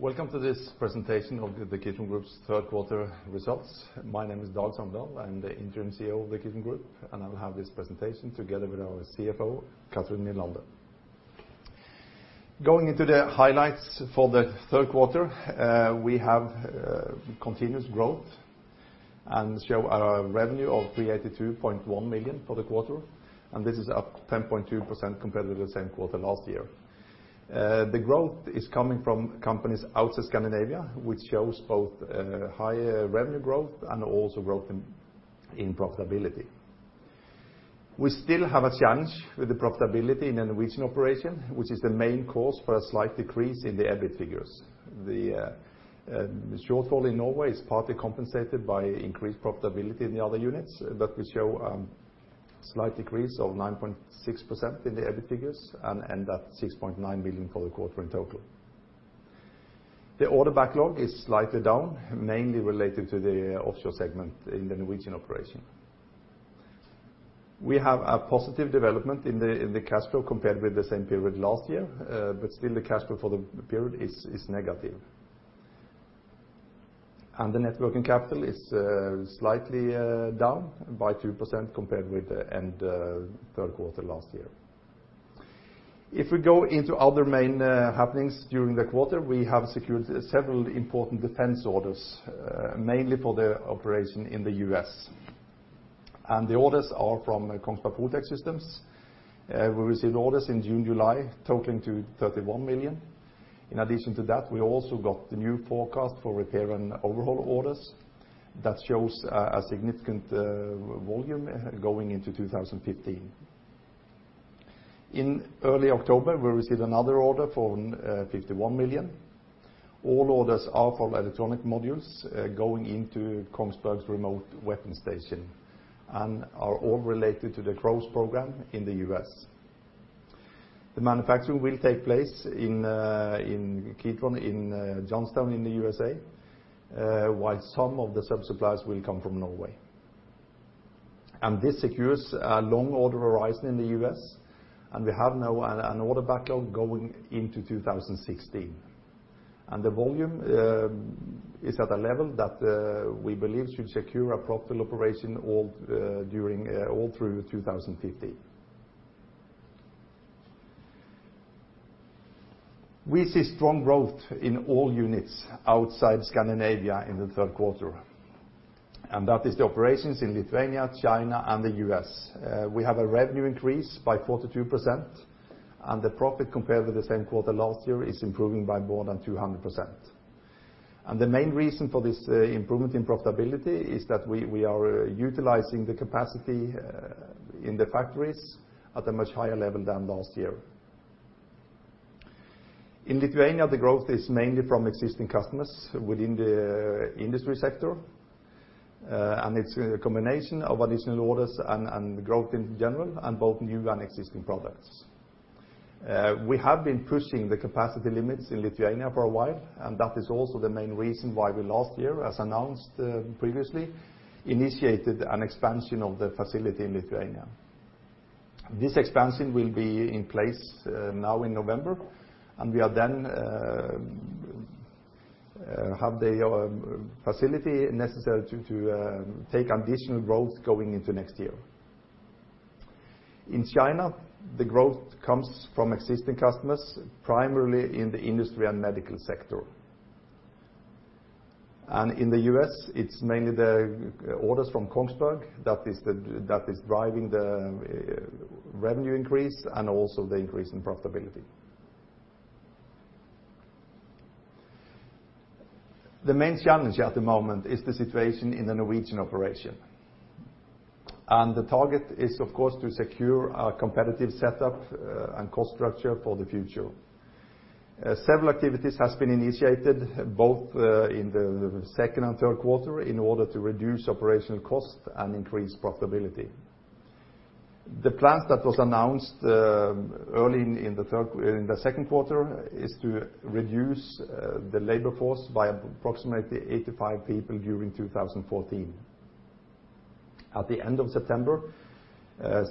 Welcome to this presentation of the Kitron Group's third quarter results. My name is Dag Songedal. I'm the interim CEO of the Kitron Group. I'll have this presentation together with our CFO, Cathrin Nylander. Going into the highlights for the third quarter, we have continuous growth and show our revenue of 382.1 million for the quarter. This is up 10.2% compared to the same quarter last year. The growth is coming from companies outside Scandinavia, which shows both higher revenue growth and also growth in profitability. We still have a challenge with the profitability in the Norwegian operation, which is the main cause for a slight decrease in the EBIT figures. The shortfall in Norway is partly compensated by increased profitability in the other units, but we show slight decrease of 9.6% in the EBIT figures and that 6.9 million for the quarter in total. The order backlog is slightly down, mainly related to the Offshore segment in the Norwegian operation. We have a positive development in the cash flow compared with the same period last year, but still the cash flow for the period is negative. The net working capital is slightly down by 2% compared with the end third quarter last year. If we go into other main happenings during the quarter, we have secured several important defense orders, mainly for the operation in the U.S. The orders are from Kongsberg Protech Systems. We received orders in June, July, totaling to 31 million. In addition to that, we also got the new forecast for Repair and Overhaul orders. That shows a significant volume going into 2015. In early October, we received another order for 51 million. All orders are for electronic modules going into Kongsberg's Remote Weapon Station and are all related to the CROWS program in the U.S. The manufacturing will take place in Kitron, in Johnstown in the U.S.A, while some of the sub-suppliers will come from Norway. This secures a long order horizon in the U.S., and we have now an order backlog going into 2016. The volume is at a level that we believe should secure a profitable operation all during all through 2015. We see strong growth in all units outside Scandinavia in the third quarter, and that is the operations in Lithuania, China, and the U.S. We have a revenue increase by 42%, and the profit compared to the same quarter last year is improving by more than 200%. The main reason for this improvement in profitability is that we are utilizing the capacity in the factories at a much higher level than last year. In Lithuania, the growth is mainly from existing customers within the industry sector. It's a combination of additional orders and growth in general and both new and existing products. We have been pushing the capacity limits in Lithuania for a while, and that is also the main reason why we last year, as announced previously, initiated an expansion of the facility in Lithuania. This expansion will be in place now in November, and we are then have the facility necessary to take additional growth going into next year. In China, the growth comes from existing customers, primarily in the industry and medical sector. In the U.S., it's mainly the orders from Kongsberg that is driving the revenue increase and also the increase in profitability. The main challenge at the moment is the situation in the Norwegian operation. The target is of course to secure a competitive setup and cost structure for the future. Several activities has been initiated both in the second and third quarter in order to reduce operational costs and increase profitability. The plan that was announced early in the second quarter is to reduce the labor force by approximately 85 people during 2014. At the end of September,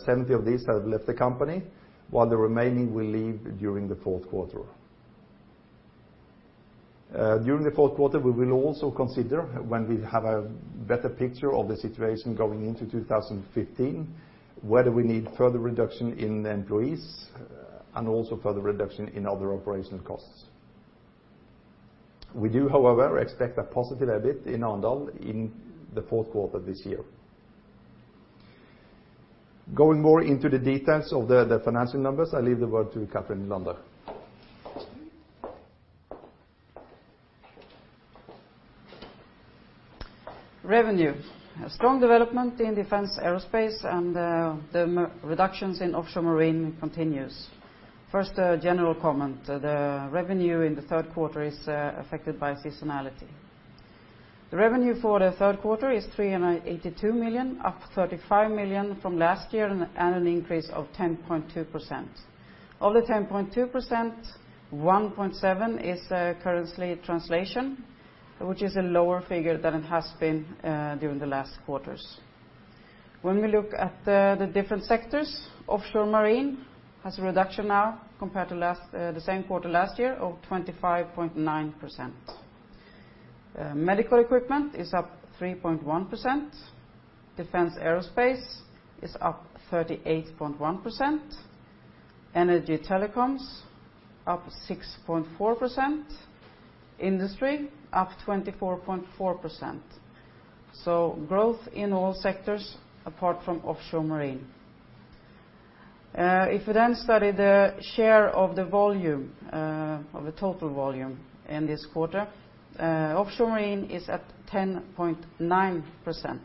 70 of these have left the company, while the remaining will leave during the fourth quarter. During the fourth quarter, we will also consider when we have a better picture of the situation going into 2015, whether we need further reduction in employees and also further reduction in other operational costs. We do, however, expect a positive EBIT in Arendal in the fourth quarter this year. Going more into the details of the financial numbers, I leave the word to Cathrin Nylander. Revenue. A strong development in Defense & Aerospace and reductions in Offshore Marine continues. First, a general comment. The revenue in the third quarter is affected by seasonality. The revenue for the third quarter is 382 million, up 35 million from last year and an increase of 10.2%. Of the 10.2%, 1.7% is Currency Translation, which is a lower figure than it has been during the last quarters. When we look at the different sectors, Offshore Marine has a reduction now compared to the same quarter last year of 25.9%. Medical Equipment is up 3.1%. Defense & Aerospace is up 38.1%. Energy & Telecoms up 6.4%. Industry up 24.4%. Growth in all sectors apart from Offshore Marine. If we then study the share of the volume, of the total volume in this quarter, Offshore Marine is at 10.9%,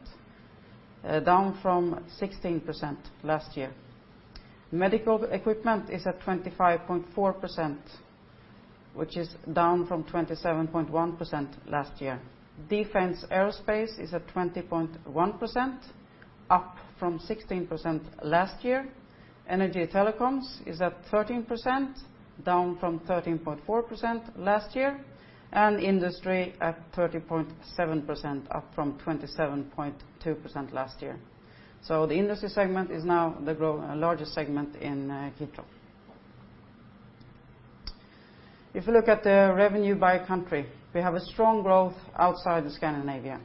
down from 16% last year. Medical Equipment is at 25.4%, which is down from 27.1% last year. Defense & Aerospace is at 20.1%, up from 16% last year. Energy & Telecoms is at 13%, down from 13.4% last year, and industry at 30.7%, up from 27.2% last year. The industry segment is now the largest segment in Kitron. If you look at the revenue by country, we have a strong growth outside of Scandinavia.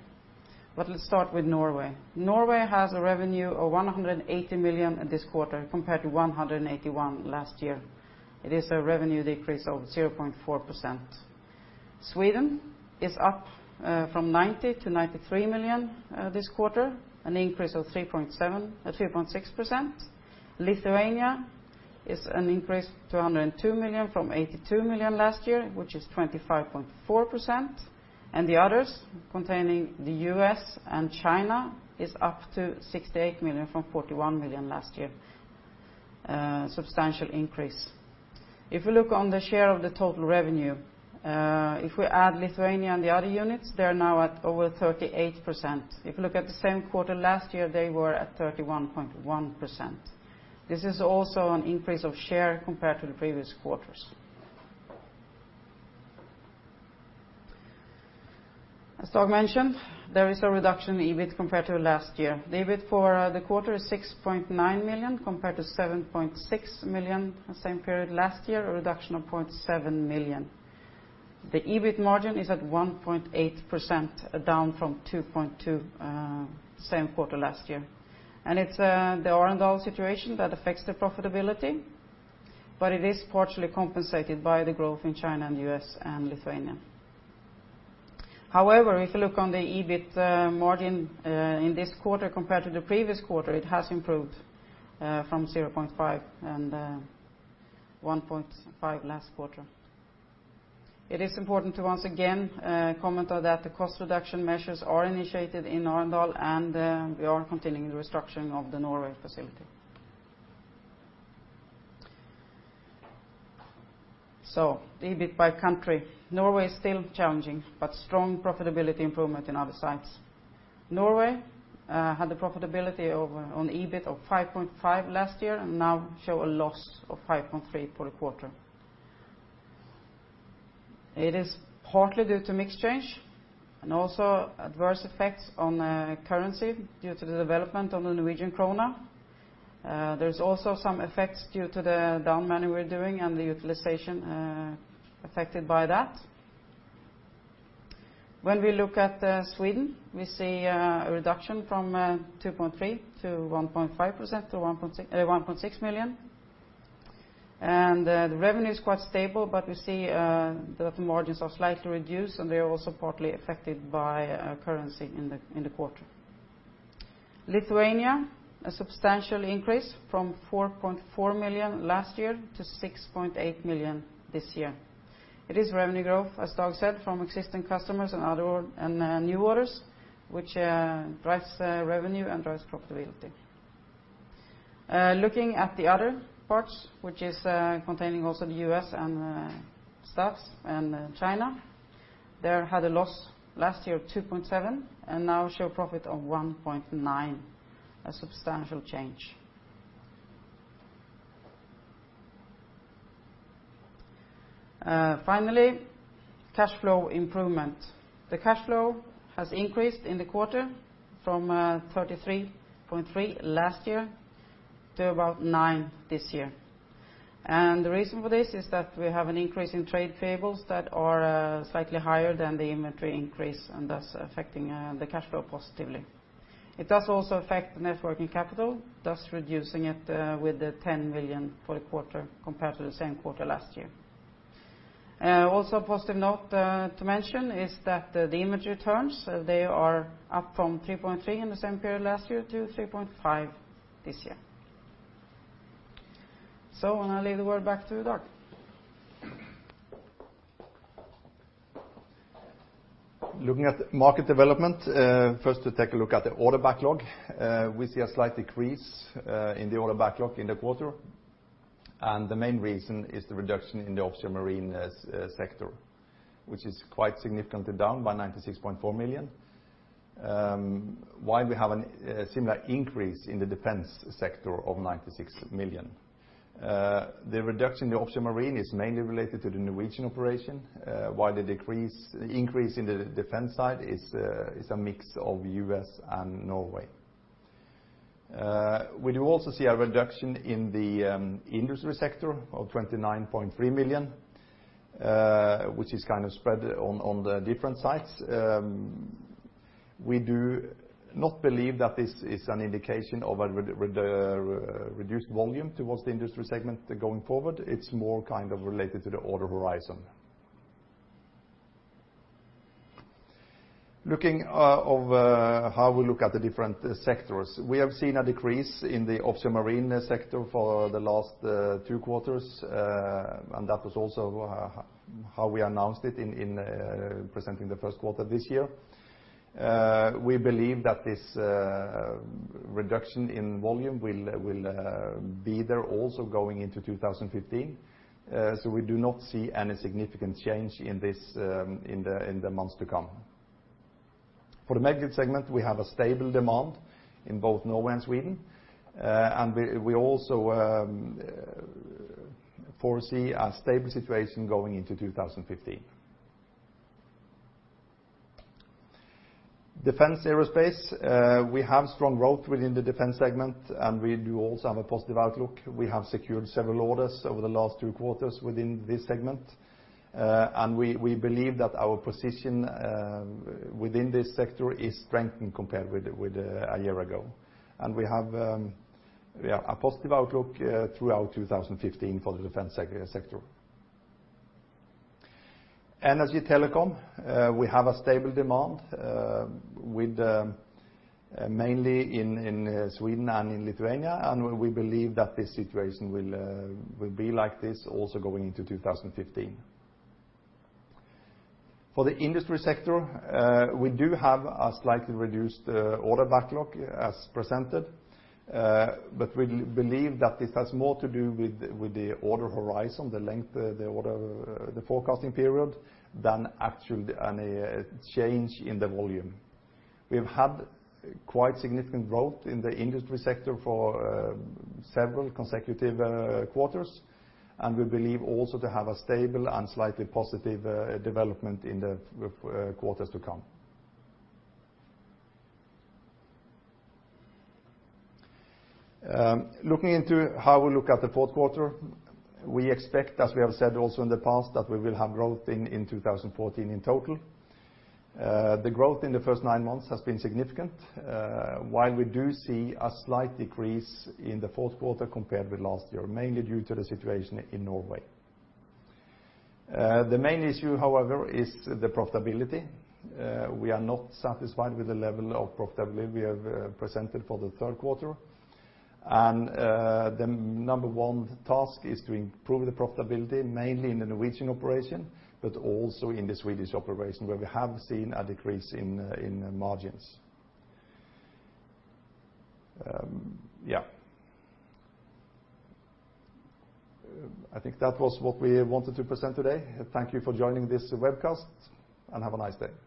Let's start with Norway. Norway has a revenue of 180 million in this quarter, compared to 181 million last year. It is a revenue decrease of 0.4%. Sweden is up from 90 million to 93 million this quarter, an increase of 3.6%. Lithuania is an increase to 102 million from 82 million last year, which is 25.4%. The others, containing the U.S. and China, is up to 68 million from 41 million last year, substantial increase. If we look on the share of the total revenue, if we add Lithuania and the other units, they are now at over 38%. If you look at the same quarter last year, they were at 31.1%. This is also an increase of share compared to the previous quarters. As Dag mentioned, there is a reduction in EBIT compared to last year. The EBIT for the quarter is 6.9 million compared to 7.6 million the same period last year, a reduction of 0.7 million. The EBIT margin is at 1.8%, down from 2.2% same quarter last year. It's the Arendal situation that affects the profitability, but it is partially compensated by the growth in China and U.S. and Lithuania. However, if you look on the EBIT margin in this quarter compared to the previous quarter, it has improved from 0.5% and 1.5% last quarter. It is important to once again comment on that the cost reduction measures are initiated in Arendal, and we are continuing the restructuring of the Norway facility. The EBIT by country, Norway is still challenging, but strong profitability improvement in other sites. Norway had the profitability on EBIT of 5.5% last year and now show a loss of 5.3% for the quarter. It is partly due to mix change and also adverse effects on currency due to the development of the Norwegian krone. There's also some effects due to the down manning we're doing and the utilization affected by that. When we look at Sweden, we see a reduction from 2.3%-1.5% to 1.6 million. The revenue is quite stable, but we see that the margins are slightly reduced, and they are also partly affected by currency in the quarter. Lithuania, a substantial increase from 4.4 million last year to 6.8 million this year. It is revenue growth, as Dag said, from existing customers and other, and new orders, which drives revenue and drives profitability. Looking at the other parts, which is containing also the U.S. and stats and China, they had a loss last year of 2.7 million and now show profit of 1.9 million, a substantial change. Finally, cash flow improvement. The cash flow has increased in the quarter from 33.3 million last year to about 9 million this year. The reason for this is that we have an increase in Trade Payables that are slightly higher than the inventory increase and thus affecting the cash flow positively. It does also affect the net working capital, thus reducing it with 10 million for the quarter compared to the same quarter last year. Also a positive note to mention is that the Inventory Turns, they are up from 3.3 in the same period last year to 3.5 this year. I'm going to leave the word back to Dag. Looking at market development, first to take a look at the order backlog. We see a slight decrease in the order backlog in the quarter. The main reason is the reduction in the Offshore Marine sector, which is quite significantly down by 96.4 million. While we have a similar increase in the Defense & Aerospace sector of 96 million. The reduction in the Offshore Marine is mainly related to the Norwegian operation, while the increase in the Defense & Aerospace side is a mix of U.S. and Norway. We do also see a reduction in the industry sector of 29.3 million, which is kind of spread on the different sites. We do not believe that this is an indication of a reduced volume towards the industry segment going forward. It's more kind of related to the order horizon. Looking over how we look at the different sectors, we have seen a decrease in the Offshore Marine sector for the last two quarters, that was also how we announced it in presenting the first quarter this year. We believe that this reduction in volume will be there also going into 2015. We do not see any significant change in this in the months to come. For the Medical segment, we have a stable demand in both Norway and Sweden. We also foresee a stable situation going into 2015. Defense & Aerospace, we have strong growth within the Defense segment, we do also have a positive outlook. We have secured several orders over the last two quarters within this segment. We believe that our position within this sector is strengthened compared with a year ago. We have a positive outlook throughout 2015 for the Defense & Aerospace sector. Energy & Telecoms, we have a stable demand with mainly in Sweden and in Lithuania, and we believe that this situation will be like this also going into 2015. For the industry sector, we do have a slightly reduced order backlog as presented, but we believe that this has more to do with the order horizon, the length, the order, the forecasting period, than actually any change in the volume. We've had quite significant growth in the industry sector for several consecutive quarters, and we believe also to have a stable and slightly positive development in the quarters to come. Looking into how we look at the fourth quarter, we expect, as we have said also in the past, that we will have growth in 2014 in total. The growth in the first 9 months has been significant, while we do see a slight decrease in the fourth quarter compared with last year, mainly due to the situation in Norway. The main issue, however, is the profitability. We are not satisfied with the level of profitability we have presented for the third quarter. The number one task is to improve the profitability, mainly in the Norwegian operation, but also in the Swedish operation, where we have seen a decrease in margins. Yeah. I think that was what we wanted to present today. Thank you for joining this webcast, and have a nice day. Thank you.